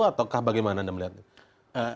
atau bagaimana anda melihatnya